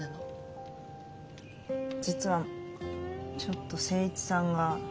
実はちょっと誠一さんが。